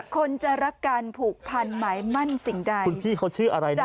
คนจะรักกันผูกพันหมายมั่นสิ่งใดคุณพี่เขาชื่ออะไรนะ